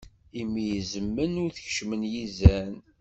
Imi izemmen, ur t-keččmen yizan.